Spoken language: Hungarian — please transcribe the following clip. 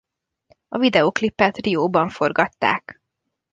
A videóklipet Rióban forgatták.